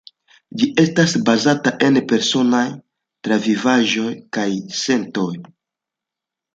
Ĝi estas bazata en personaj travivaĵoj kaj sentoj.